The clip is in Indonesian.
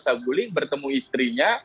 sabuling bertemu istrinya